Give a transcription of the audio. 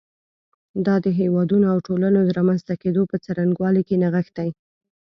دا د هېوادونو او ټولنو د رامنځته کېدو په څرنګوالي کې نغښتی.